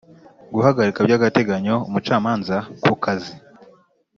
guhagarika by agateganyo umucamanza ku kazi